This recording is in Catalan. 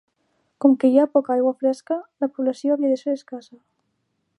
Com que hi ha poca aigua fresca, la població havia de ser escassa.